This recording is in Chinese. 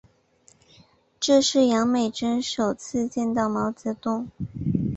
这是杨美真首次见到毛泽东。